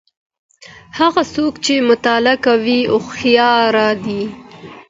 هغه څوک چي مطالعه کوي هوښیار دی.